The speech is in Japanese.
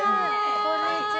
こんにちは。